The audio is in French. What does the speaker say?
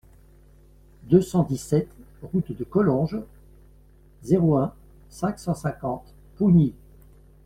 deux cent dix-sept route de Collonges, zéro un, cinq cent cinquante Pougny